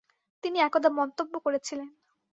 তিনি একদা মন্তব্য করেছিলেন।